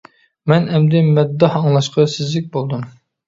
مەن ئەمدى «مەدداھ ئاڭلاشقا سېزىك» بولدۇم.